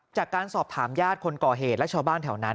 จากการสอบถามญาติคนก่อเหตุและชาวบ้านแถวนั้น